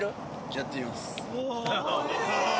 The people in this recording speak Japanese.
やってみます。